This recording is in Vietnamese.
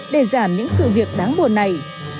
để giảm những sự việc đáng buồn này